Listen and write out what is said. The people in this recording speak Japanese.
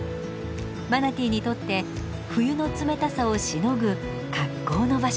マナティーにとって冬の冷たさをしのぐ格好の場所です。